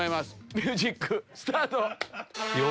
ミュージックスタート！